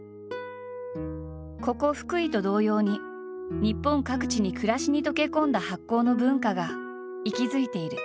ここ福井と同様に日本各地に暮らしに溶け込んだ発酵の文化が息づいている。